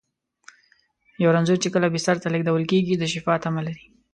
یو رنځور چې کله بستر ته لېږدول کېږي، د شفا تمه لري.